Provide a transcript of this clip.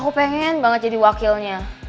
aku pengen banget jadi wakilnya